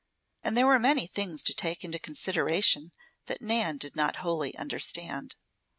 And there were many things to take into consideration that Nan did not wholly understand.